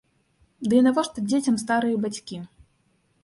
Ды і навошта дзецям старыя бацькі?